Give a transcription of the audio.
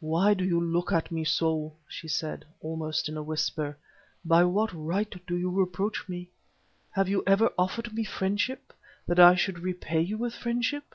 "Why do you look at me so?" she said, almost in a whisper. "By what right do you reproach me? Have you ever offered me friendship, that I should repay you with friendship?